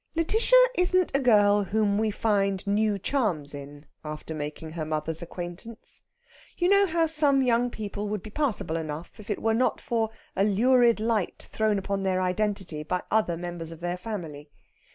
Lætitia isn't a girl whom we find new charms in after making her mother's acquaintance. You know how some young people would be passable enough if it were not for a lurid light thrown upon their identity by other members of their family.